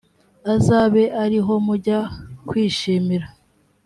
azabe ari ho mujya kwishimira